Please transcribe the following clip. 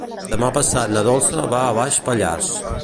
Demà passat na Dolça va a Baix Pallars.